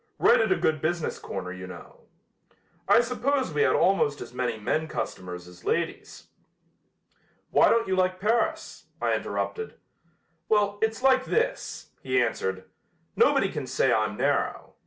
Right at a good business corner, you know. I suppose we had almost as many men customers as ladies." "Why don't you like Paris?" I interrupted. "Well, it's like this," he answered. "Nobody can say I'm narrow.